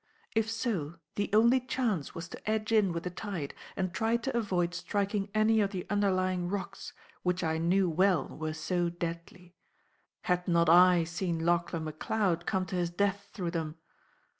If so, the only chance was to edge in with the tide and try to avoid striking any of the underlying rocks which I knew well were so deadly. Had not I seen Lauchlane Macleod come to his death through them.